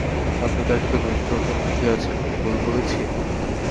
আপনি তার সাথে ঘনিষ্ঠ হতে মুখিয়ে আছেন, ভুল বলেছি?